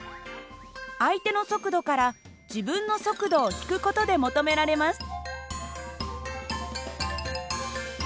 相手の速度から自分の速度を引く事で求められます。